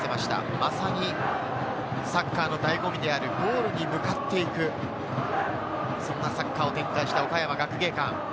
まさにサッカーの醍醐味であるゴールに向かっていく、そんなサッカーを展開した、岡山学芸館。